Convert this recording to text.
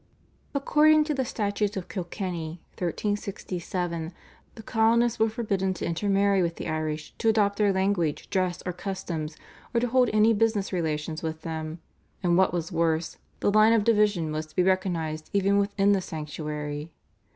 According to the Statutes of Kilkenny (1367) the colonists were forbidden to intermarry with the Irish, to adopt their language, dress, or customs, or to hold any business relations with them, and what was worse, the line of division was to be recognised even within the sanctuary.